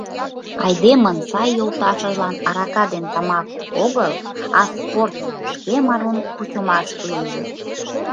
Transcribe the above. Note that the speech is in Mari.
Айдемын сай йолташыжлан арака ден тамак огыл, а спорт, шкем арун кучымаш лийже!